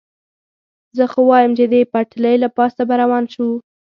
زه خو وایم، چې د پټلۍ له پاسه به روان شو.